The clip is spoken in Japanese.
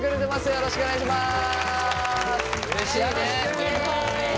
よろしくお願いします。